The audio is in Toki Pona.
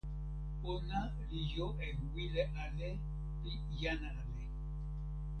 ona li jo e wile ale pi jan ale.